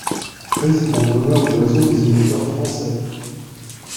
Président d'Honneur du Réseau des Emétteurs Français.